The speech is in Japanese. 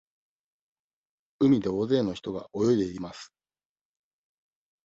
海で大勢の人が泳いでいます。